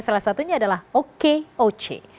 salah satunya adalah okoc